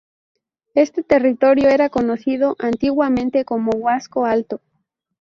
Este territorio era conocido antiguamente como Huasco Alto.